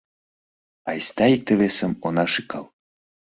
Айста икте-весым она шӱкал.